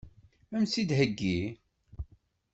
Ad m-tt-id-theggi?